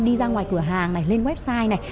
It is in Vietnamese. đi ra ngoài cửa hàng này lên website này